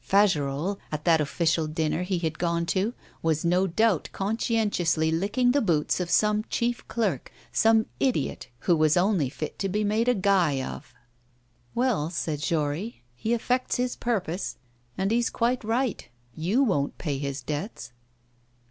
Fagerolles, at that official dinner he had gone to, was no doubt conscientiously licking the boots of some chief clerk, some idiot who was only fit to be made a guy of. 'Well,' said Jory, 'he effects his purpose, and he's quite right. You won't pay his debts.